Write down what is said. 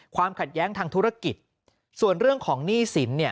ความขัดแย้งทางธุรกิจส่วนเรื่องของหนี้สินเนี่ย